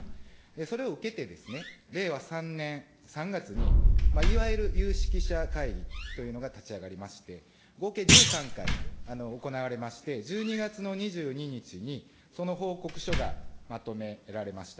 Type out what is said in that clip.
それを受けてですね、令和３年３月に、いわゆる有識者会議というのが立ち上がりまして、合計１３回行われまして、１２月の２２日にその報告書がまとめられました。